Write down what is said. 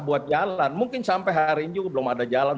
buat jalan mungkin sampai hari ini juga belum ada jalan